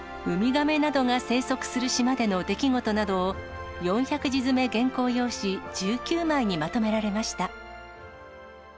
ウミガメなどが生息する島での出来事などを、４００字詰め原稿用紙１９枚にまとめられました。